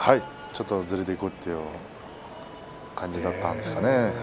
ちょっとずれていくという感じだったんですかね。